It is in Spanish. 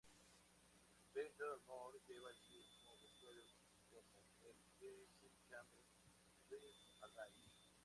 Clayton Moore lleva el mismo vestuario como en Jesse James Rides Again.